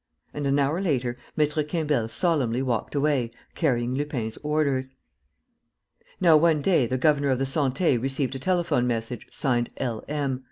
And, an hour later, Maître Quimbel solemnly walked away, carrying Lupin's orders. Now, one day, the governor of the Santé received a telephone message, signed, "L. M.